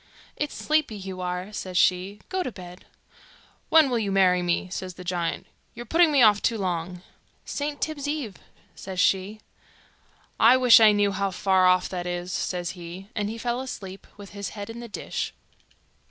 'It's sleepy you are,' says she; 'go to bed.' 'When will you marry me?' says the giant. 'You're putting me off too long.' 'St. Tibb's Eve,' says she. 'I wish I knew how far off that is,' says he; and he fell asleep, with his head in the dish.